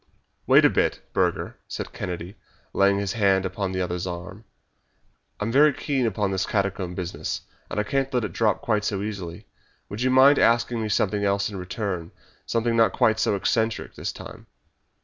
"Wait a bit, Burger," said Kennedy, laying his hand upon the other's arm; "I am very keen upon this catacomb business, and I can't let it drop quite so easily. Would you mind asking me something else in return something not quite so eccentric this time?"